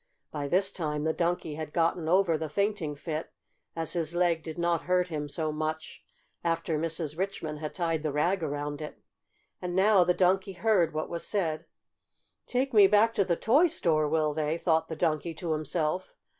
By this time the Donkey had gotten over the fainting fit, as his leg did not hurt him so much after Mrs. Richmond had tied the rag around it. And now the Donkey heard what was said. "Take me back to the toy store, will they?" thought the Donkey to himself.